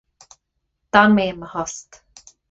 D'fhan mé i mo thost.